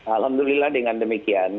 alhamdulillah dengan demikian